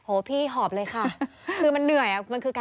โอ้พี่หอบเลยค่ะ